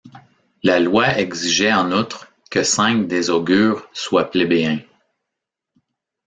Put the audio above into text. La loi exigeait en outre que cinq des augures soient plébéiens.